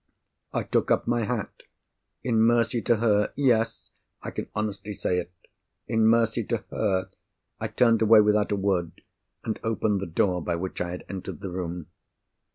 I took up my hat. In mercy to her—yes! I can honestly say it—in mercy to her, I turned away without a word, and opened the door by which I had entered the room.